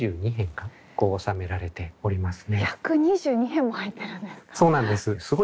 １２２編も入ってるんですか？